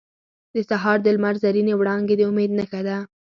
• د سهار د لمر زرینې وړانګې د امید نښه ده.